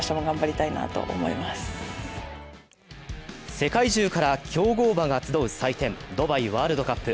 世界中から強豪馬が集う祭典、ドバイワールドカップ。